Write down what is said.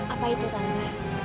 apa itu tante